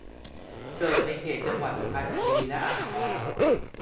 เกิดในเขตจังหวัดสุพรรณบุรีและอ่างทอง